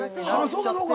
そうかそうか。